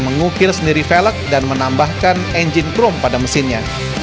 mengukir sendiri velg dan menambahkan engine chrome pada mesinnya